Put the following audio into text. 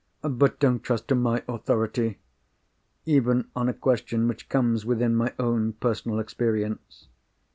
But don't trust to my authority—even on a question which comes within my own personal experience.